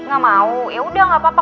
gak mau yaudah gapapa